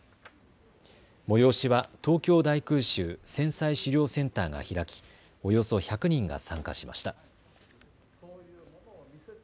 催しは東京大空襲・戦災資料センターが開きおよそ１００人が参加しました。